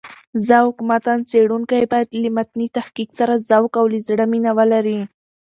ذوق متن څېړونکی باید له متني تحقيق سره ذوق او له زړه مينه ولري.